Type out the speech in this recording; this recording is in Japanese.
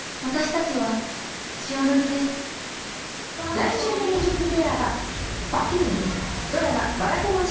来週の『ＭＵＳＩＣＦＡＩＲ』はＰｅｒｆｕｍｅ『ばらかもん』